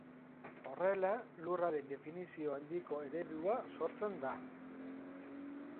Horrela, lurraren definizio handiko eredua sortzen da.